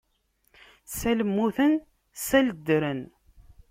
Sal mmuten sal ddren.